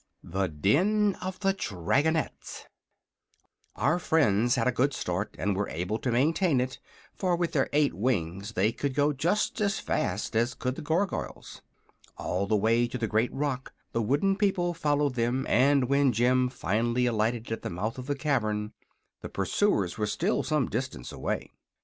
THE DEN OF THE DRAGONETTES Our friends had a good start and were able to maintain it, for with their eight wings they could go just as fast as could the Gargoyles. All the way to the great rock the wooden people followed them, and when Jim finally alighted at the mouth of the cavern the pursuers were still some distance away.